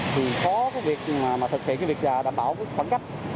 thì khó thực hiện việc đảm bảo khoảng cách